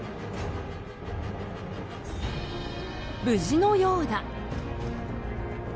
無事のようだ。